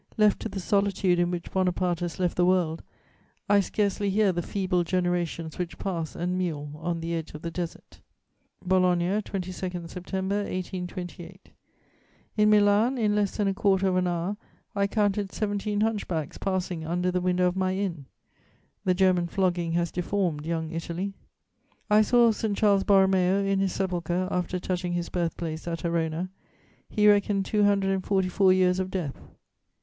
Left to the solitude in which Bonaparte has left the world, I scarcely hear the feeble generations which pass and mewl on the edge of the desert." "BOLOGNA, 22 September 1828. "In Milan, in less than a quarter of an hour, I counted seventeen hunchbacks passing under the window of my inn. The German flogging has deformed young Italy. "I saw St. Charles Borromeo in his sepulchre, after touching his birthplace at Arona. He reckoned two hundred and forty four years of death.